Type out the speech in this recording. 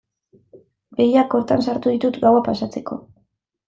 Behiak kortan sartu ditut gaua pasatzeko.